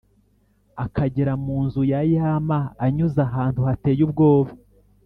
akagera mu nzu ya yama anyuze ahantu hateye ubwoba.